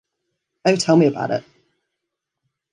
Oh, tell me about it!